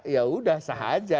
ya sudah sah saja